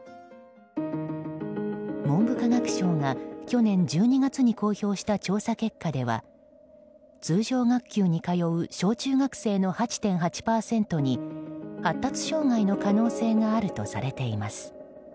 文部科学省が、去年１２月に公表した調査結果では通常学級に通う小中学生の８．８％に発達障害の可能性があるとされています。